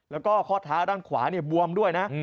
แล้วก็ข้อเท้าด้านขวาบวมด้วยนะ